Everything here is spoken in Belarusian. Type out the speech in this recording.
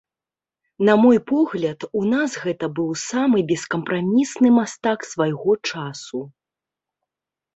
На мой погляд, у нас гэта быў самы бескампрамісны мастак свайго часу.